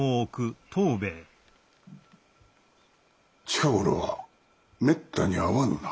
近頃はめったに会わぬな。